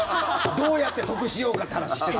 どうやって得しようかって話してる。